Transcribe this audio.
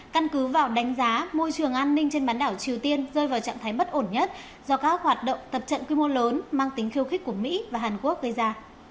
căn cứ vào đánh giá môi trường an ninh trên bán đảo triều tiên rơi vào trạng thái bất ổn nhất do các hoạt động tập trận quy mô lớn mang tính khiêu khích của mỹ và hàn quốc gây ra